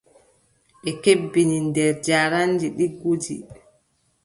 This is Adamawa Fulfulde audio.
Ɓe kebbini nde njaareendi ɗiggundi.